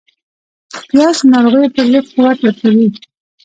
پیاز د ناروغیو پر ضد قوت ورکوي